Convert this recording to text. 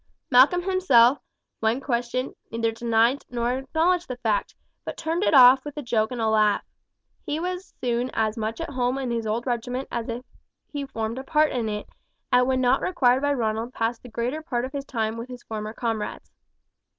Malcolm himself, when questioned, neither denied nor acknowledged the fact, but turned it off with a joke and a laugh. He was soon as much at home in his old regiment as if he formed a part in it, and when not required by Ronald passed the greater part of his time with his former comrades.